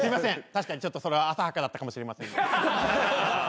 確かにそれは浅はかだったかもしれません。